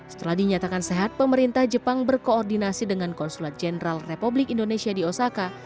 setelah dinyatakan sehat pemerintah jepang berkoordinasi dengan konsulat jenderal republik indonesia di osaka